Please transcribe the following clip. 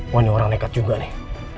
wah ini orang nekat juga nih